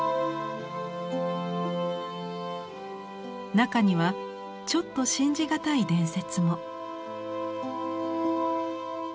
中にはちょっと信じがたい伝説も。